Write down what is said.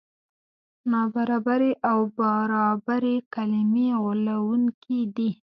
نابرابري او برابري کلمې غولوونکې دي.